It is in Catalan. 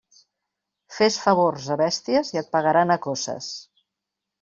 Fes favors a bèsties i et pagaran a coces.